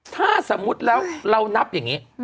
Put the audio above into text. ถ้าสมมุติแล้วเรานับอย่างนี้